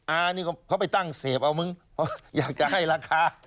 อานี่เขาไปตั้งเสพเอามึงเพราะอยากจะให้ราคา